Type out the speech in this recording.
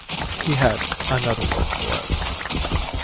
He had another word for it.